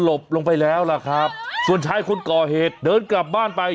บลงไปแล้วล่ะครับส่วนชายคนก่อเหตุเดินกลับบ้านไป